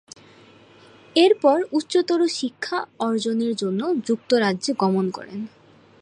এরপর উচ্চতর শিক্ষা অর্জনের জন্য যুক্তরাজ্যে গমন করেন।